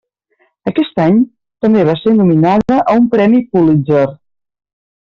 Aquest any, també va ser nominada a un Premi Pulitzer.